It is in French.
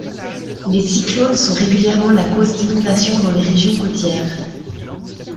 Les cyclones sont régulièrement la cause d’inondation dans les régions côtières.